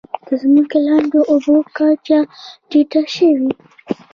د ځمکې لاندې اوبو کچه ټیټه شوې؟